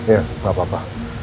ya tidak apa apa